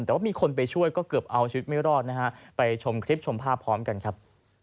แต่ว่ามีคนไปช่วยก็เกือบเอาชีวิตไม่รอดนะฮะไปชมคลิปชมภาพพร้อมกันครับ